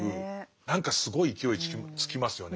何かすごい勢いつきますよね。